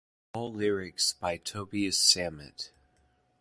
All lyrics by Tobias Sammet.